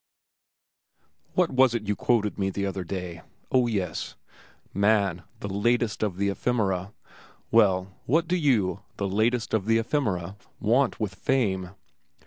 What was it you quoted me the other day?—Oh, yes, 'Man, the latest of the ephemera.' Well, what do you, the latest of the ephemera, want with fame?